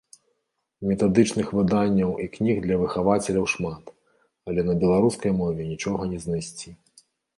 Метадычных выданняў і кніг для выхавацеляў шмат, але на беларускай мове нічога не знайсці.